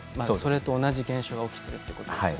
それと同じ現象が起きていると。